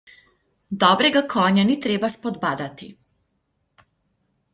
Dobrega konja ni treba spodbadati.